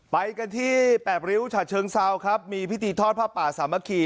ไปกันที่แปดริ้วฉะเชิงเซาครับมีพิธีทอดผ้าป่าสามัคคี